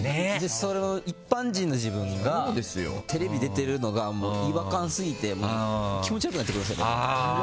一般人の自分がテレビに出てるのが違和感過ぎて気持ち悪くなってくるんですよね。